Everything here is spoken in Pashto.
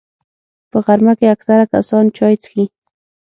په غرمه کې اکثره کسان چای څښي